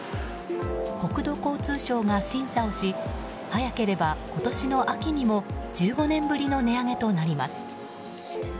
国土交通省が審査をし早ければ今年の秋にも１５年ぶりの値上げとなります。